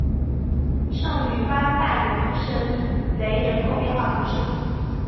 圣吕班代容什雷人口变化图示